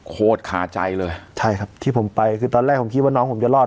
โหดขาใจเลยใช่ครับที่ผมไปคือตอนแรกผมคิดว่าน้องผมจะรอด